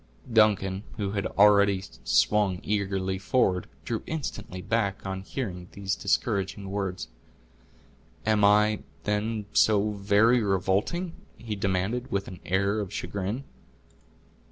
Duncan, who had already swung eagerly forward, drew instantly back on hearing these discouraging words. "Am I, then, so very revolting?" he demanded, with an air of chagrin.